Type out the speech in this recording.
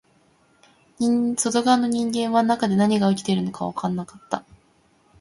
外側の人間は中で何が起きているのかわからなかった